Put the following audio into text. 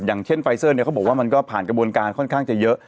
อย่างเช่นไฟเซอร์เนี่ยเขาบอกว่ามันก็ผ่านกระบวนการค่อนข้างจะเยอะ